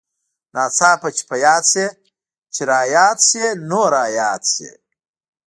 ناڅاپه چې په ياد سې چې راياد سې نو راياد سې.